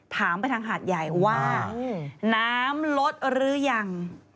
ถามไปทางหาดใหญ่ว่าน้ำลดหรือยัง